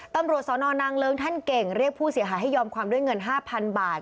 ตำรวจสนนางเลิ้งท่านเก่งเรียกผู้เสียหายให้ยอมความด้วยเงิน๕๐๐๐บาท